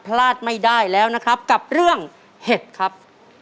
พลาดไม่ได้แล้วนะครับกับเรื่องเห็ดครับ